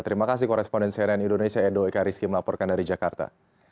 terima kasih koresponden cnn indonesia edo ekariski melaporkan dari jakarta